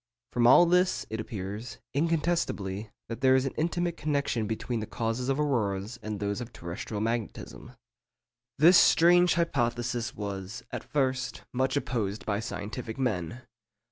_From all this, it appears, incontestably, that there is an intimate connection between the causes of auroras and those of terrestrial magnetism._' This strange hypothesis was, at first, much opposed by scientific men.